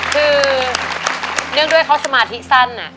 คือเนื่องด้วยเขาสมาธิสั้น